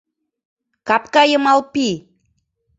Капка йымал пий!..